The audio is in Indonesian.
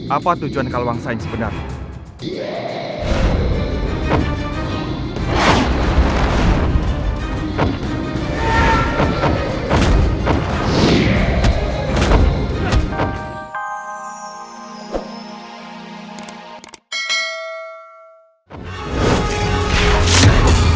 apa tujuan kalwang saya sebenarnya